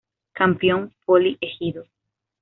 Campeón: Poli Ejido.